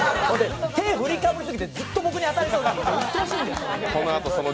手、振りかぶりすぎて、ずっと俺に当たってうっとうしいんだよ。